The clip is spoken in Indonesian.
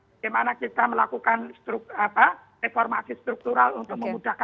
bagaimana kita melakukan reformasi struktural untuk memudahkan